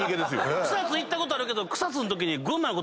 草津行ったことあるけど。